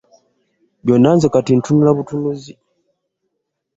Byonna nze kati ntunula butunuzi.